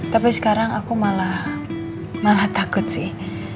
tapi sekarang aku malah takut sih